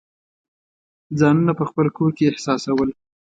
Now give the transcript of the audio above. ځانونه په خپل کور کې احساسول.